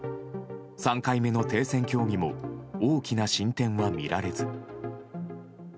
３回目の停戦協議も大きな進展は見られず。